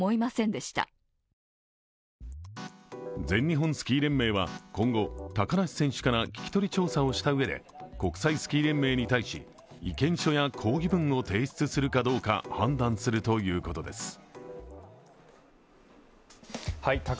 全日本スキー連盟は今後、高梨選手から聞き取り調査をしたうえで国際スキー連盟に対し意見書や抗議文を提出するかどうか判断するということです。